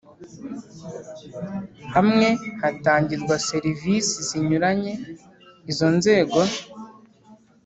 hamwe hatangirwa serivisi zinyuranye Izo nzego